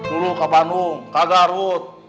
dulu ke bandung ke garut